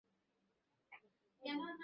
আপনার এগুলো পছন্দ হয়েছে?